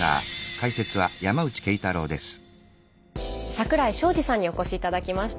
桜井昌司さんにお越し頂きました。